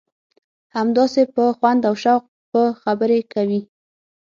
همداسې په خوند او په شوق خبرې کوي.